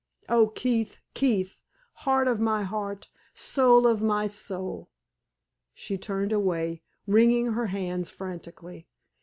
Oh, Keith! Keith! Heart of my heart, soul of my soul!" She turned away, wringing her hands frantically.